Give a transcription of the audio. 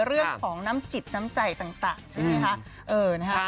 เรื่องของน้ำจิตน้ำใจต่างใช่ไหมคะ